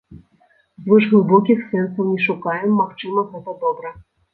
Звышглыбокіх сэнсаў не шукаем, магчыма, гэта добра.